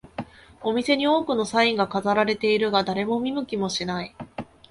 お店に多くのサインが飾られているが、誰も見向きもしない